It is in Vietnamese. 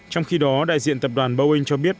trong khi đó đại diện tập đoàn boeing cho biết